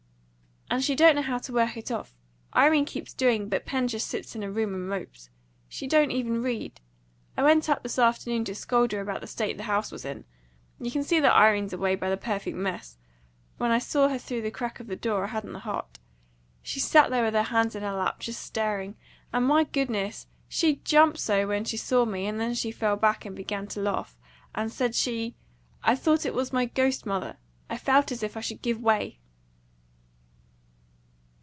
"And she don't know how to work it off. Irene keeps doing; but Pen just sits in her room and mopes. She don't even read. I went up this afternoon to scold her about the state the house was in you can see that Irene's away by the perfect mess; but when I saw her through the crack of the door I hadn't the heart. She sat there with her hands in her lap, just staring. And, my goodness! she JUMPED so when she saw me; and then she fell back, and began to laugh, and said she, 'I thought it was my ghost, mother!' I felt as if I should give way."